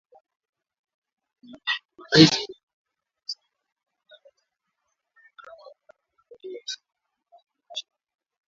Marais Uhuru Kenyata , Yoweri Museveni , na Paul Kagame Ijumaa wamezindua ramani iliyopanuliwa ya Jumuiya ya Afrika Mashariki